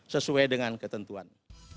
sesuai dengan ketentuan